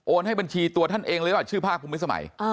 โอนให้บัญชีตัวท่านเองเลยว่ะชื่อภาคภูมิสมัย